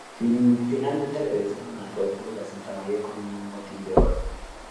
Finalmente regresaron al Golfo y a Santa María con un buen botín de oro.